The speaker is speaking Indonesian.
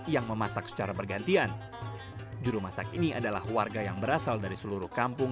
yang memasak secara bergantian juru masak ini adalah warga yang berasal dari seluruh kampung